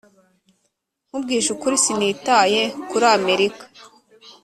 nkubwije ukuri, sinitaye kuri amerika.